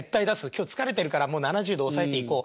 今日疲れてるからもう７０で抑えていこう。